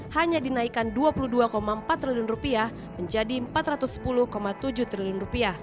hanya dinaikkan rp dua puluh dua empat triliun menjadi rp empat ratus sepuluh tujuh triliun